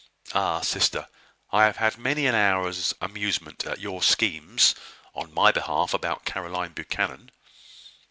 Ah! sister, I have had many an hour's amusement at your schemes on my behalf about Caroline Buchanan."